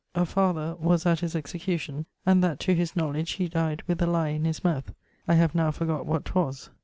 a father, was at his execution, and that to his knowledge he dyed with a lye in his mouth: I have now forgott what 'twas.